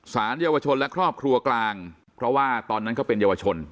สารเยาวชนและครอบครัวกลางเพราะว่าตอนนั้นเขาเป็นเยาวชน